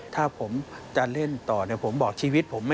ถ้าผมจะเล่นต่อผมบอกชีวิตผม